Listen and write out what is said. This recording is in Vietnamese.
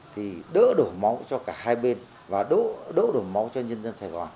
thì đỡ đổ máu cho cả hai bên và đỗ đổ máu cho nhân dân sài gòn